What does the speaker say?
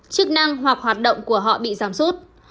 chức năng hoặc hoạt động của họ bị giảm sút